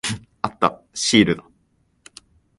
あった。シールだ。